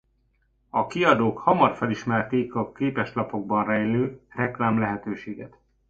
A kiadók hamar felismerték a képeslapokban rejlő reklám lehetőséget.